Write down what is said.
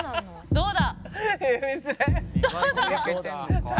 「どうだ？」